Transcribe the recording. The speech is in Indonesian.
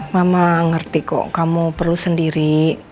mama ngerti kok kamu perlu sendiri